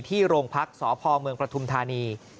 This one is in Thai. ที่โรงพักษ์สพเมืองปฐุมธานี